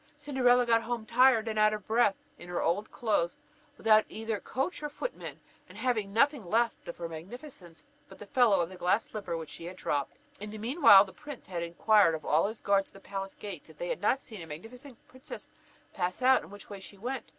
Cinderella got home tired and out of breath, in her old clothes, without either coach or footmen, and having nothing left of her magnificence but the fellow of the glass slipper which she had dropped. In the mean while, the prince had inquired of all his guards at the palace gates, if they had not seen a magnificent princess pass out, and which way she went?